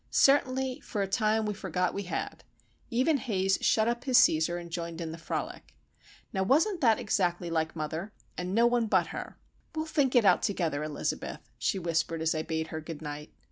Certainly, for a time we forgot we had! Even Haze shut up his Cæsar, and joined in the frolic. Now wasn't that exactly like mother,—and no one but her? "We'll think it out together, Elizabeth," she whispered, as I bade her good night.